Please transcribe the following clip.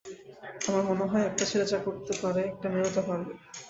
আমার মনে হয়, একটা ছেলে যা করতে পারে, একটা মেয়েও তা পারবে।